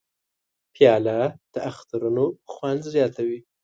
پیاله د اخترونو خوند زیاتوي.